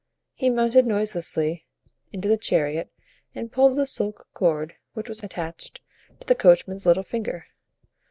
He mounted noiselessly into the chariot and pulled the silk cord which was attached to the coachman's little finger.